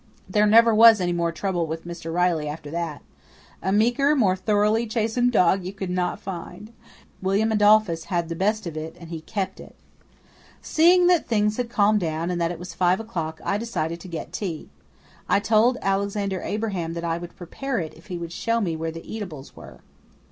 There never was any more trouble with Mr. Riley after that. A meeker, more thoroughly chastened dog you could not find. William Adolphus had the best of it and he kept it. Seeing that things had calmed down and that it was five o'clock I decided to get tea. I told Alexander Abraham that I would prepare it, if he would show me where the eatables were.